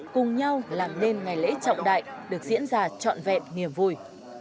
cùng nhau làm nên ngày lễ trọng đại được diễn ra trọn vẹn niềm vui